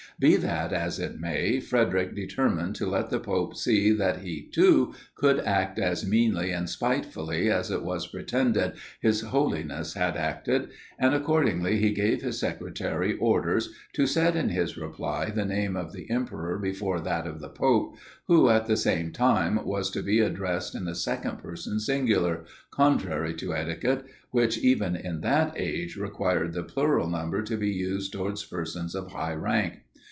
Be that as it may, Frederic determined to let the pope see that he too could act as meanly and spitefully as it was pretended his Holiness had acted; and, accordingly, he gave his secretary orders to set in his reply the name of the emperor before that of the pope, who, at the same time, was to be addressed in the second person singular; contrary to etiquette, which, even in that age, required the plural number to be used towards persons of high rank.